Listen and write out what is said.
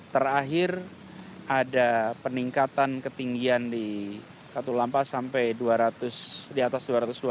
terakhir ada peningkatan ketinggian di katulampa sampai di atas dua ratus dua puluh